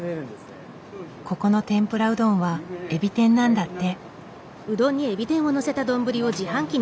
ここの天ぷらうどんはエビ天なんだって。